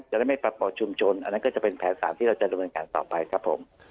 จะได้ไม่ปรับชุมชนอันนั้นก็จะเป็นแผนสารที่เราจะดำเนินการต่อไปครับผม